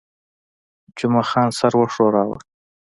جمعه خان سر وښوراوه.